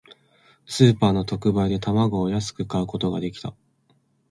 スーパーの特売で、卵を安く買うことができた。